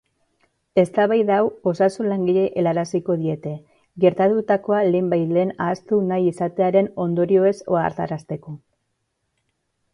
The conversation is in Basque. Eztabaida hau osasun-langileei helaraziko diete, gertatutakoa lehenbailehen ahaztu nahi izatearen ondorioez ohartarazteko.